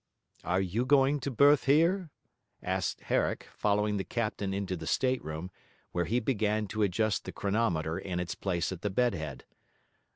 'Are you going to berth here?' asked Herrick, following the captain into the stateroom, where he began to adjust the chronometer in its place at the bed head.